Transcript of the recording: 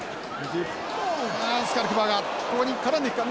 スカルクバーガーここに絡んできた。